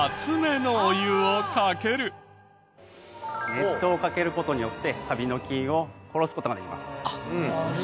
熱湯をかける事によってカビの菌を殺す事ができます。